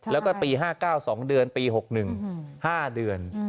แล้วก็ปี๕๙๒เดือนปี๖๑๕เดือน